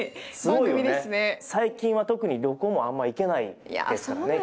最近は特に旅行もあんま行けないですからね